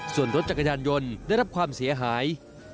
ส่วนรถจักรยานยนต์ได้รับความเสียหาย